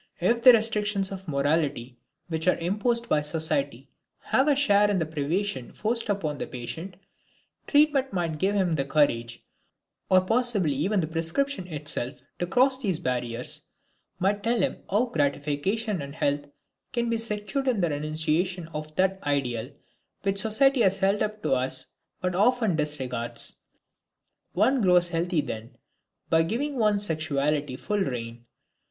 If the restrictions of morality which are imposed by society have a share in the privation forced upon the patient, treatment might give him the courage, or possibly even the prescription itself, to cross these barriers, might tell him how gratification and health can be secured in the renunciation of that ideal which society has held up to us but often disregards. One grows healthy then, by giving one's sexuality full reign.